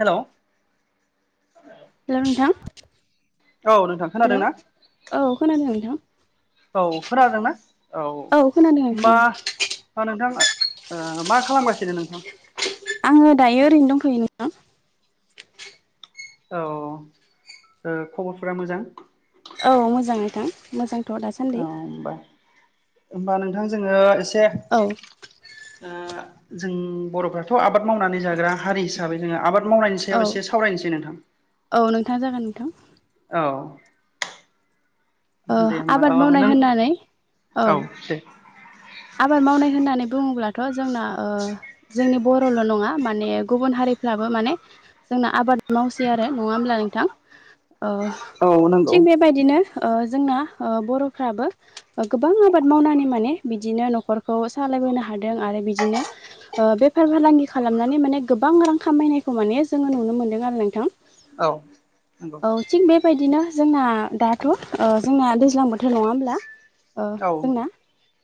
Hello hello नोंथां औ नोंथां हेल खोनादोंना औ खोनादों नोंथां औ खोनादोंना औ खोनादों होमबा नोंथां औ आं नोंथां ओ मा खालामगासिनो नोंथां आङो दायो ओरैनो दंफैयो नोंथां [unintelligible] औ ओ खबरफोरा मोजां औ मोजां नोंथां मोजां औ होमबा होमबा नोंथां जोङो एसे औ ओ जों बरफ्राथ आबाद मावनानै जाग्रा हारि हिसाबै जोङो आबाद मावनायनि औ सायाव एसे सावरायनोसै नोंथां औ नोंथां जागोन नोंथां औ ओ दे होमबा आबाद ओ मावनाय नों होननानै औ आबाद मावनाय होननानै बुङोब्ला थ जोंना जोंनि बरल नङा माने गुबुन हारिफ्राबो माने जोंना आबाद मावसै आरो नङा होमब्ला नोंथां अ औ नंगौ थिग बेबायदिनो ओ जोंना ओ बरफ्राबो गोबां आबाद मावनानै माने बिदिनो नखरखौ सालाय सोलिनो हादों आरो बिदिनो बेफार फालांगि खालामनानै माने गोबां रां खामायनायखौ माने जों खौ नुनो मोनदों आरो नोंथां औ नंगौ औ थि बेबायदिनो जोंना दा थ ओ जोंना दैज्लां बोथोर नङा होमब्ला ओ औ जोंना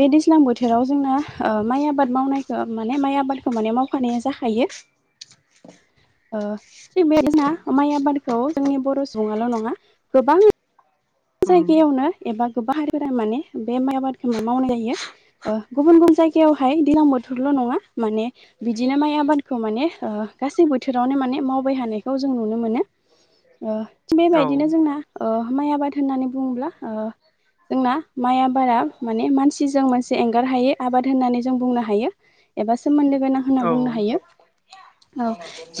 बे दैज्लां बोथोराव जोंना ओ माइ आबाद मावनायखौ माने माइ आबादखौ माने मावफानाया जाखायो ओ थिग बेदिना माइ आबादखौ जोंनि बर सुबुंआल नङा गोबां उम जायगायावनो एबा गोबां हारिफोरा माने बे माइ आबादखौ म मावनाय जायो गुबुन गुबुन [unintelligible] जागायावहाय दैज्लां बोथोरल नङा माने बिदिनो माइ आबादखौ माने ओ गासै बोथोरावनो माने मावबायथानायखौ जों नुनो मोनो ओ थिग औ बेबायदिनो जोंना ओ माइ आबाद होननानै बुङोब्ला ओ जोंना माइ आबादा माने मानसिजों मोनसे एंगार हायै आबाद होननानै जों बुंनो हायो एबा सोमोन्दो गोनां होनना औ बुंनो हायो औ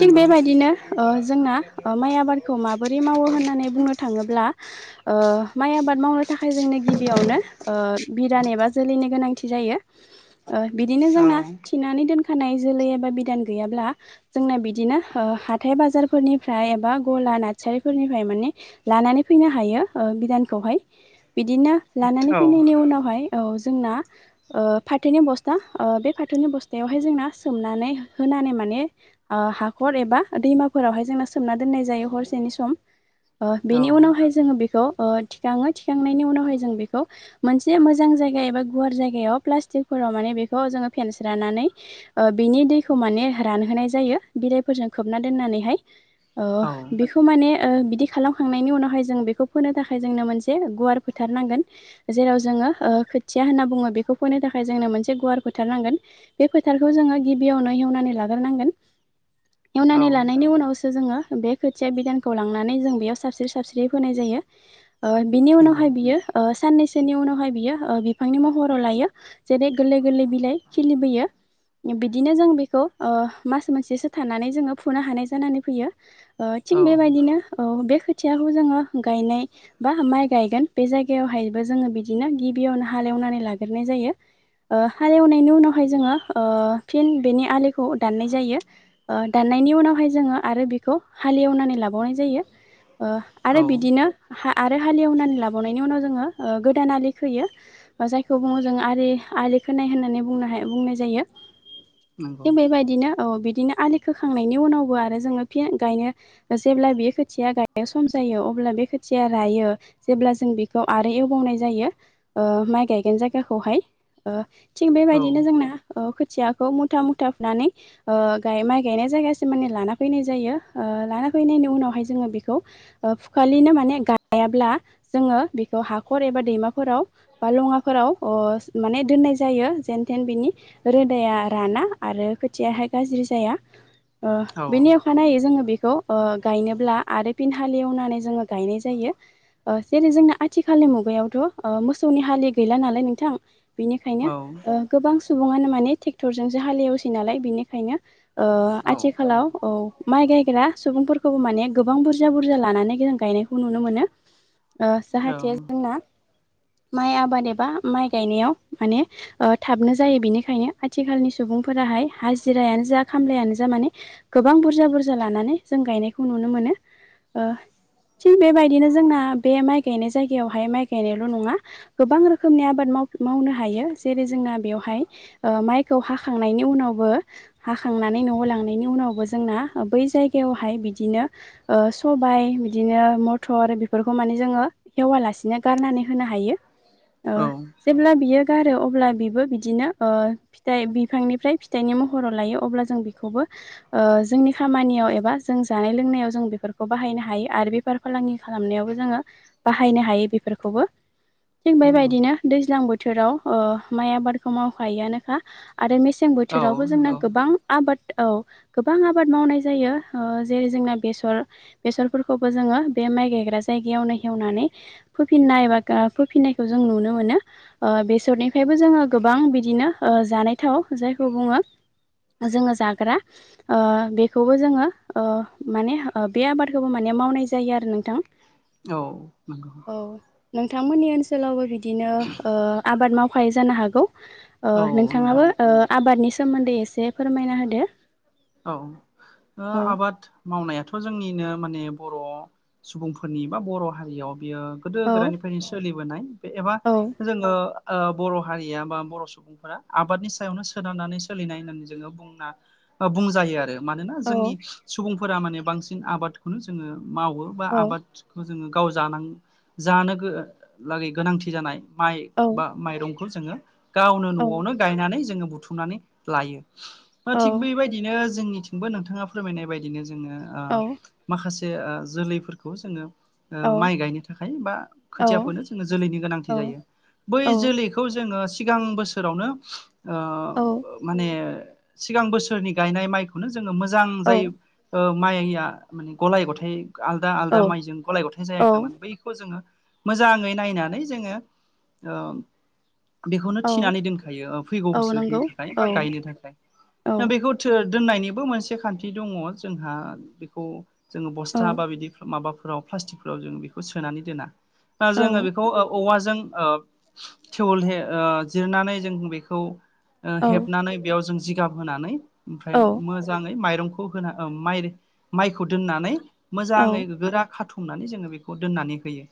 थिग औ बेबायदिनो ओ जोंना माइ आबादखौ माबोरै मावो होननानै बुंनो थाङोब्ला ओ माइ आबाद मावनो थाखाय जोंनो गिबियावनो ओ बिदान एबा जोलैनि गोनांथि जायो ओ बिदिनो जोंना थिनानै दोनखानाय जोलै एबा बिदान गैयाब्ला जोंना बिदिनो ओ हाथाय बाजारफोरनिफ्राय एबा गला नार्सारिफोरनिफ्राय माने लानानै फैनो हायो ओ बिदानखौहाय बिदिनो लानानै फैनायनि उनावहाय औ जोंना ओ फाथोनि बस्था ओ बे फाथनि बस्थायावहाय जोंना सोमनानै होन खनानै माने ओ हाखर एबा दैमाफोरावहाय जोंना सोमना दोननाय जायो हरसेनि सम ओ औ बेनि उनावहाय जोङो बेखौ खौ ओ थिखाङो थिखांनायनि उनावहाय जों बेखौ मोनसे मोजां जायगा एबा गुवार जायगायाव प्लासटिक टिकफोराव माने बेखौ जोङो फेनस्राइनानै ओ बेनि दैखौ माने रानहोनाय जायो बिलाइफोर फोरजों खोबना दोननानैहाय ओ औ बेखौ माने ओ बिदि खालामखांनायनि उनावहाय जों बेखौ फोनो थाखाय जोंनो मोनसे गुवार फोथारनांगोन जेराव जोङो ओ खोथिया होनना बुङो बेखौ फोनो थाखाय। थाखाय जोंनो मोनसे गुवार फोथार नांगोन बे फोथारखौ जोङो गिबियावनो हेवनानै लाग्रोनांगोन। [inaudible] एवनानै लानायनि उनावसो जोंङो बे खोथिया बिदानखौ लांनानै जों बेयाव सारस्रि सारस्रि फोनाय जायो। ओ बिनि नंगौ उनावहाय बियो ओ साननैसोनि उनावहाय बियो ओ बिफांनि महराव लायो जेरै गोरलै गोरलै बिलाइ खिलिबोयो। बिदिनो जों बेखौ ओ मास मोनसेसो थानानै जोंङो फुनो हानाय जानानै फैयो। ओ औ थिग बेबायदिनो औ बे खोथियाखौ जोंङो गायनाय बा माइ गायगोन बे जायगायावहायबो जोंङो बिदिनो गिबियावनो हालेवनानै लाग्रोनाय जायो। ओ हालेवनायनि उनावहाय जोंङो ओ फिन बेनि आलिखौ दाननाय जायो ओ दान नायनि उनावहाय जोंङो आरो बिखौ हालि एवनानै लाबावनाय जायो ओ औ आरो बि हा आरो हालेवनानै लाबावनायनि उनाव जोंङो ओ गोदान आलि खोयो ओ जायखौ बुंङो जोंङो आलि आलि खोनाय होननानै बुंनो हाय बुंनाय जायो नंगौ थिग बे बायदिनो। औ बिदिनो आलि खोखांनायनि उनावबो आरो जोंङो फिन गायनो जेब्ला बेयो खोथिया गायनो सम जायो अब अब्ला बे खोथिया रायो जेब्ला जों बेखौ आरो एवबावनाय जायो ओ माइ गायगोन जायगाखौ। बहाय ओ थिग औ बेबायदिनो जोंना ओ थियाखौ मुथा मुथा फुनानै ओ गाय माइ गायनाय जायगासिम माने लाना फैनाय जायो ओ लाना फैनायनि उनावहाय जोंङो बिखौ ओ फु खालिनो माने गायाब्ला जोंङो बेखौ हाखर एबा दैमाफोराव बा लंङाफोराव ओ सोमनानै दोननाय जायो जेन थेन बिनि रोदाया राना आरो खोथियाहाय गाज्रि जाया ओ औ बेनि अखानायै जोंङो बेखौ ओ गायनोब्ला आरो फिन हालिवनानै जोंङो गायनाय जायो ओ जेरै जोंना आथिखालनि मुगायावथ' ओ मोसौनि हालि गैला नालाय नोंथां। औ बिनिखायनो ओ गोबां सुंबुङानो माने थेक्टरजोंसो हालिवसै नालाय बिनिखायनो ओ औ आथिखालाव नंगौ औ माइ गायग्रा सुबुंफोरखौबो माने गोबां बुरजा बुरजा लानानै गोनां गायनायखौ नुनो मोनो ओ औ जाहाथे जोंना माइ आबाद एबा माइ गायनायाव माने ओ थाबनो जायो बेनिखायनो आथिखालनि सुबुं सुबुंफोराहाय हाजिरायानो जा खामलायानो जा माने गोबां बुरजा बुरजा लानानै जों गायनायखौ नुनो मोनो ओ थिग बेबायदिनो जोंना बे माइ गायनाय जायगायावहाय माइ गायनायल' नंङा गोबां रोखोमनि आबाद माव मावनो हायो जेरै जोंना बेयावहाय ओ माइखौ हाखांनायनि उनावबो हाखांनानै नै न'आव लांनायनि उनावबो जोंना ओ बै जाइगायावहाय बिदिनो ओ सबाइ बिदिनो मथर बिफोरखौ माने जोंङो एववालासिनो गारनानै होनो हायो। ओ औ जेब्ला बियो गारो अब्ला बिबो बिदिनो ओ फिथाइ बिफांनिफ्राय फिथाइनि महराव लायो अब्ला जों बिखौबो ओ जोंनि खामानियाव एबा जों जानाय लोंनायाव जों बेफोरखौ बाहायनो हायो। आरो बेफार फालांगि खालामनायावबो जोंङो बाहायनो हायो बिफोरखौबो थिग नंगौ बेबायदिनो दैज्लां बोथोराव ओ माइ आबादखौ मावखायोआनोखा। आरो मेसें औ बोथोरावबो जोंना नंगौ औ गोबां आबाद औ गोबां आबाद मावनाय जायो ओ जेरै जोंना बेसर बेसर फोरखौबो जोंङो बे माइ गायग्रा जायगायावनो हेवनानै फोफिननाय एबा गा फोफिननायखौ जों नुनो मोनो ओ बेसरनिफ्रायबो जोंङो गोबां बिदिनो ओ जानाय थाव जायखौ बुंङो। जोंङो जाग्रा ओ बेखौबो जोंङो ओ माने ओ बे आबाद खौबो माने मावनाय जायो आरो नोंथां। औ नोंगौ। मोननि ओनसोलावबो बिदिनो ओ आबाद मावखायो जानो हागौ ओ औ नंगौ नोंथांङाबो ओ आबादनि सोमोन्दै एसे फोरमायना होदो औ ओ औ आबाद मावनायाथ' जोंनिनो माने बर' सुबुंफोरनि बा बर' हारियाव बियो गोदो औ गोदायनिफ्रायनो सोलिबोनाय। एबा औ जोंङो ओ बर' हारिया बा बर' सुबुंफोरा आबादनि सायावनो सोनारनानै सोलिनाय नानै जोंङो बुं होनना ओ बुंजायो आरो मानोना औ जोंनि सुबुंफोरा माने बांसिन आबादखौनो जोंङो मावो बा औ आबादखौ जोंङो गाव जानां जानोगोलागै गोनांथि जानाय माइ औ बा माइरंखौ जोङो गावनो औ नआवनो गायनानै जोङो बुथुमनानै लायो ओ थिग बेबायदिनो जोंनिथिंबो नोंथाङा फोरमायनाय बायदिनो जोङो ओ औ माखासे ओ जोलैफोरखौ जोङो ओ औ माइ गायनो थाखाय बा औ खोथियाफोनो जोंनो जोलैनि गोनांथि औ जायो बै औ जोलैखौ जोङो सिगां बोसोरावनो ओ माने सिगां बोसोरनि गायनाय माइखौनो जोङो मोजां जाय ओ माइया माने गलाय गथाइ आलदा आलदा माइजों गलाय गथाय औ जायाखैमोन बैखौ जोङो मोजाङै नायनानै जोङो ओ बेखौनो औ थिनानै दोनखायो ओ फैगौ औ बोसोरनि नंगौ थाखाय औ बा गायनो थाखाय औ ओ बेखौ थो दोननायनिबो मोनसे खान्थि दङ जोंहा बेखौ जोङो औ बस्था बा बिदि माबा फोराव प्लास्टिकफोराव जों बेखौ सोनानै दोना ओ औ जोङो बेखौ ओ औवाजो जों ओ थेवलहे ओ जिरनानै जों बेखौ ओ औ हेबनानै बेयाव जों जिगाब होनानै ओमफ्राय मोजाङै माइरं खौ होना ओ माइ माइखौ दोननानै मोजाङै औ गोरा खाथु मनानै जोङो बेखौ दोननानै होयो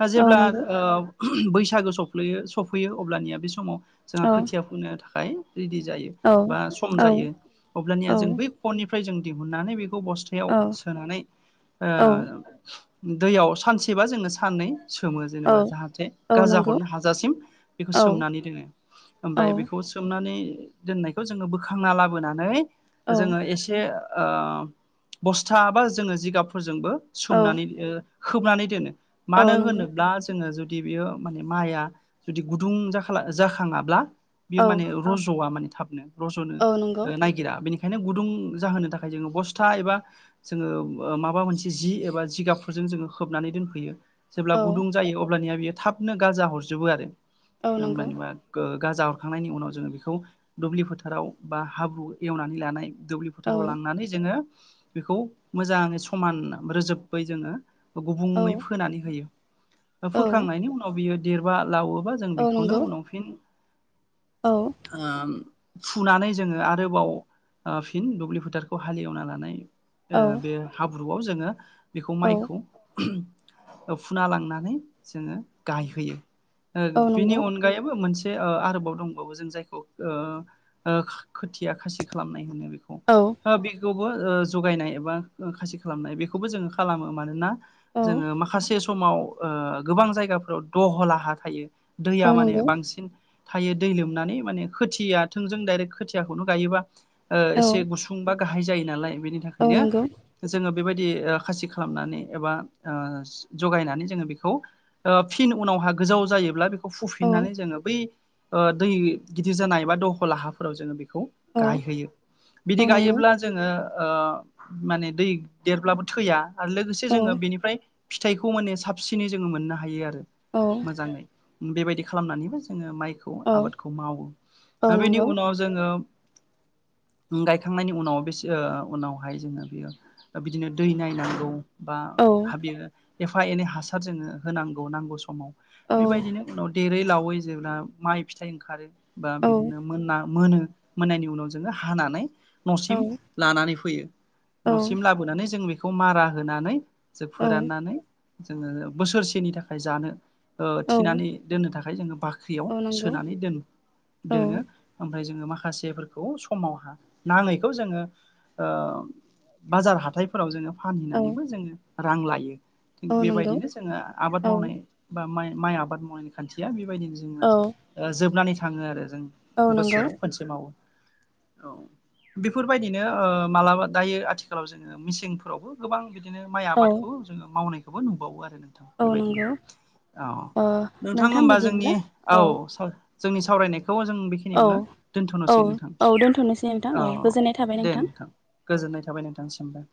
दा औ जेब्ला नंगौ ओ बैसागो सफ्लैयो सफैयो अब्लानिया बे समाव जोंहा औ खोथिया फोनो थाखाय रेदि जायो औ बा सम औ जायो अब्लानिया औ जों बै फननिफ्राय जों दिहुननानै बे खौ बस्थायाव औ सोनानै ओ दैयाव सानसेबा जोङो साननै सोमो औ जेनेबा जाहाथे औ गाजा नंगौ हरनो हाजासिम बेखौ औ सोमनानै दोनो औ ओमफ्राय बेखौ सोमनानै दोननायखौ जोङो बोखांना लाबोनानै जोङो एसे ओ बस्था बा जोङो जिगाबफोरजोंबो औ सोमनानै ओ खोबनानै दोनो औ मानो नंगौ होनोब्ला जोङो जु दि बेयो माने माइआ जुदि गुदुं जाखाला जाखाङाब्ला बियो औ माने रजआ माने थाबनो रजनो औ नंगौ ओ नागिरा बेनि खायनो गुदुं जाहोनो थाखाय जोङो बस्था एबा जोङो ओ माबा मोनसे जि एबा जिगाबफोर जों जोङो खोबनानै दोनफैयो जेब्ला औ गुदुं जायो अब्लानिया बियो थाबनो गाजा हरजोबो आरो औ नंगौ ओमबानिया गो गाजा हरखांनायनि उनाव जोङो बेखौ दुब्लि फोथाराव बा हाब्रु एवनानै लानाय दुब्लि औ फोथाराव लांनानै जोङो बेखौ मोजाङै समान रोजोबै जोङो औ गुबुङै फोनानै होयो ओ औ फोखांनायनि उनाव बियो देरबा लावो बा जों औ बेखौनो नंगौ उनाव फिन औ ओम फुनानै जोङो आरोबाव ओ फिन दुब्लि फोथारखौ हालेवना लानाय ओ औ बे हाब्रुआव जोङो बेखौ औ माइखौ ओ फुना लांनानै जोङो गायहोयो औ ओ बेनि नंगौ अनगायैबो मोन से ओ आरोबाव दंबावो जों जायखौ ओ ओ खोथिया खासि खालामनाय होनो बेखौ औ ओ बि खौबो ओ जगायनाय एबा खासि खालामनाय बेखौबो जोङो खालामो मानोना औ जोङो माखासे समाव ओ गोबां जायगाफोराव दहला हा थायो औ दैया माने नंगौ बांसिन थायो दै लोमनानै माने खोथिया थोंजों दायरेक्ट खोथियाखौनो गायोबा ओ औ एसे गुसुं बा गाहाय जायो नालाय बेनि औ थाखायनो नंगौ जोङो बेबायदि ओ खासि खालामनानै एबा ओ जगायनानै जों बेखौ ओ फिन उनाव हा गोजौ जायोब्ला बे खौ औ फुफिननानै जोङो बै ओ दै गिदिर जानाय एबा दहला हाफोराव जों बि खौ औ गायहोयो बिदि औ नंगौ गायोब्ला जोङो ओ माने दै देरब्लाबो थैया आरो लोगोसे औ जोङो बेनिफाय फिथाइखौ माने साबसिनै जोङो मोननो हायो आरो अ मोजाङै बेबायदि खालामनानैबो जोङो माइखौ आबादखौ मावो औ दा बेनि नंगौ उनाव जोङो [unintelligible] गायखांनायनि उनाव बेस उनावहाय जोङो बेयो ओ बिदिनो दै नायनांगौ बा औ हाबिर एफा एनै हासार जोङो होनांगौ नांगौ समाव औ बेबायदिनो उनाव देरै लावै जेब्ला माइ फिथाइ ओंखारो बा बि औ दिनो मोनना मोनो मोननायनि उनाव जोङो हानानै औ न'सिम नंगौ लानानै फैयो न'सिम औ लाबोनानै जों बेखौ मारा होनानै जो फोराननानै जोङो बोसोरसेनि थाखाय जानो ओ थिनानै दोननो थाखाय जोङो बाख्रियाव औ औ नंगौ सोनानै दोन औ दोनो ओम फाय जोङो माखासेफोरखौ समावहा नाङैखौ जोङो ओ बाजार हाथायफोराव जोङो फानहैनानैबो औ जोङो रां लायो थिग औ नंगौ बेबायदिनो जोङो आबाद मावनाय बा माइ माइ आबाद मावनायनि खान्थिया बेबायदिनो जोंना औ ओ जोबनानै थाङो आरो जों बोसोराव खोनसे मावो औ बेफोरबायदिनो ओ मालाबा दायो आथिखालाव जोङो मिसेंफोरावबो गोबां बि दिनो माइ आबादखौ जोङो मावनायखोबो नुबावो आरो नों थां औ बेबायदिनो नंगौ ओ नोंथां होमबा जोंनि औ सा जोंनि सावरायनाय खौ जों औ बेखिनियावनो औ दोनथ'नोसै नोंथां औ दोनथ'नोसै नोंथां ओ औ गोजोननाय थाबाय दे नोंथां औ गोजोन नाय थाबाय नोंथांसिमबो